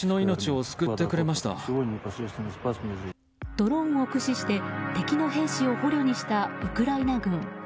ドローンを駆使して敵の兵士を捕虜にしたウクライナ軍。